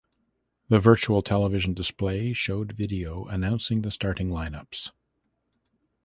The virtual television display showed video announcing the starting lineups.